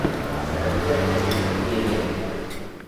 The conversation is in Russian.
Какое там наступление!